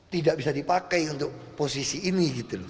tidak bisa dipakai untuk posisi ini